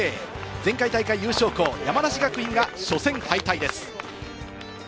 前回大会優勝校・山梨学院が初戦敗退です。